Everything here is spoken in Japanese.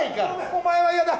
お前は嫌だ。